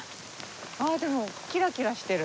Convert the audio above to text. あでもキラキラしてる。